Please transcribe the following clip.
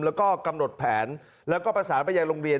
แล้วก็กำหนดแผนแล้วก็ประสาทแวร์ลงเบียน